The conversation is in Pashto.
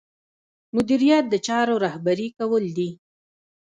مدیریت د چارو رهبري کول دي.